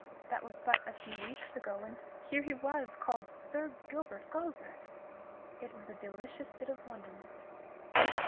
That was but a few weeks ago, and here he was, called Sir Gilbert Galbraith! It was a delicious bit of wonderment.